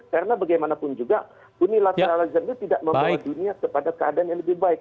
karena bagaimanapun juga dunia lateralisme ini tidak membawa dunia kepada keadaan yang lebih baik